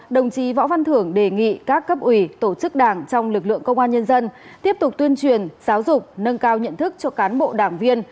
đồng chí võ văn thưởng đề nghị các cấp ủy tổ chức đảng trong lực lượng công an nhân dân tiếp tục tuyên truyền giáo dục nâng cao nhận thức cho cán bộ đảng viên